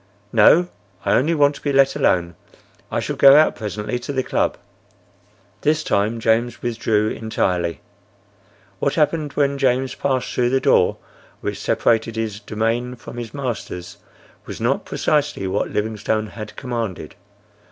"No, I only want to be let alone. I shall go out presently to the club." This time James withdrew entirely. What happened when James passed through the door which separated his domain from his master's was not precisely what Livingstone had commanded.